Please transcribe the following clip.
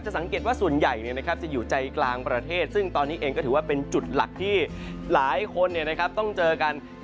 จะสังเกตว่าส่วนใหญ่เนี่ยนะครับจะอยู่ใจกลางประเทศซึ่งตอนนี้เองก็ถือว่าเป็นจุดหลักที่หลายคนเนี่ยนะครับต้องเจอกัน